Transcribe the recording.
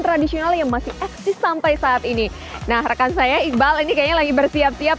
tradisional yang masih eksis sampai saat ini nah rekan saya iqbal ini kayaknya lagi bersiap siap